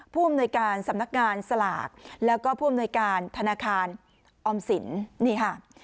ผู้อำนวยการสำนักงานสลากแล้วก็ผู้อำนวยการธนาคารออมสินนี่ค่ะ